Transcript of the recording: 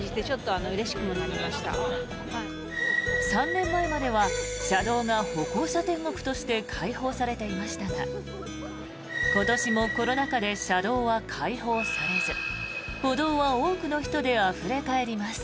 ３年前までは車道が歩行者天国として開放されていましたが今年もコロナ禍で車道は開放されず歩道は多くの人であふれ返ります。